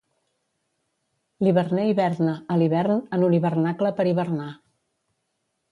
L'hiverner hiverna, a l'hivern, en un hivernacle per hivernar.